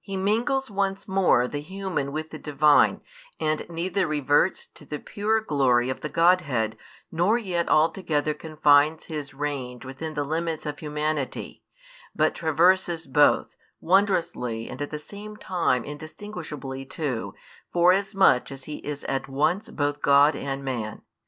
He mingles once more the human with the Divine, and neither reverts to the pure glory of the Godhead, nor yet altogether confines His range within the limits of humanity, but traverses both, wondrously and at the same time indistinguishably too, forasmuch as He is at once both God and man.